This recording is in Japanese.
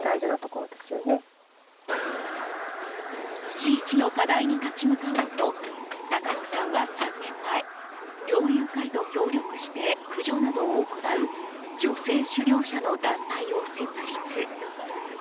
地域の課題に立ち向かおうと高野さんは３年前猟友会と協力して駆除などを行う女性狩猟者の団体を設立。